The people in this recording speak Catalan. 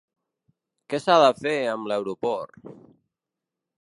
Què s’ha de fer amb l’aeroport?